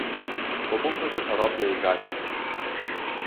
Pomówmy też o ropie i gazie